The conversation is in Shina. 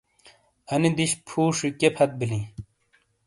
انی دِش پھُوشی کیئے پھت بیلیں؟